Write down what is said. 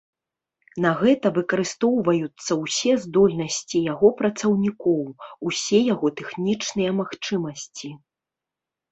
На гэта выкарыстоўваюцца ўсе здольнасці яго працаўнікоў, усе яго тэхнічныя магчымасці.